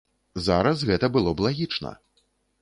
Зараз гэта было б лагічна.